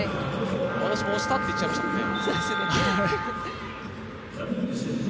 私も押したって言っちゃいましたもんね。